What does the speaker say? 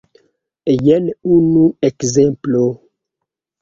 Jen unu ekzemplo.